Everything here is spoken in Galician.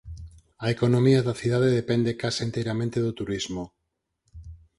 A economía da cidade depende case enteiramente do turismo.